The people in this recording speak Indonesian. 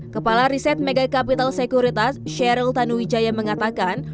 kepala riset megakapital sekuritas sheryl tanuwijaya mengatakan